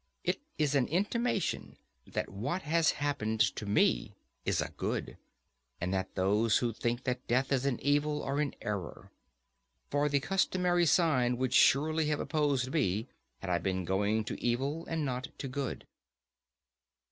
It is an intimation that what has happened to me is a good, and that those of us who think that death is an evil are in error. For the customary sign would surely have opposed me had I been going to evil and not to good.